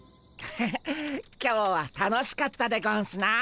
ハハッ今日は楽しかったでゴンスな。